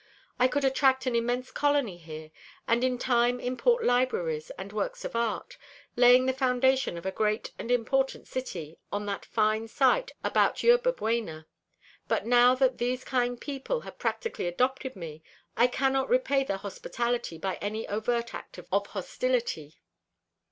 I could attract an immense colony here and in time import libraries and works of art, laying the foundation of a great and important city on that fine site about Yerba Buena. But now that these kind people have practically adopted me I cannot repay their hospitality by any overt act of hostility.